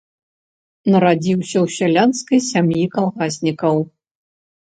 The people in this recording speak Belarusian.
Нарадзіўся ў сялянскай сям'і калгаснікаў.